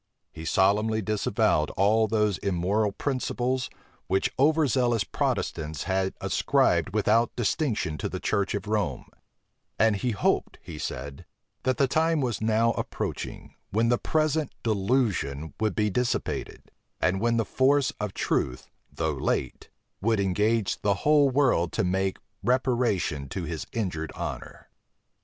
He solemnly disavowed all those immoral principles, which over zealous Protestants had ascribed without distinction to the church of Rome: and he hoped, he said, that the time was now approaching, when the present delusion would be dissipated; and when the force of truth, though late, would engage the whole world to make reparation to his injured honor.